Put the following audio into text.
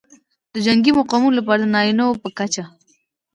د جنګي مقامونو لپاره د نارینه وو په کچه